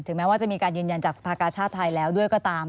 แม้ว่าจะมีการยืนยันจากสภากาชาติไทยแล้วด้วยก็ตาม